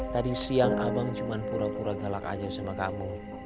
tadi siang abang cuma pura pura galak aja sama kamu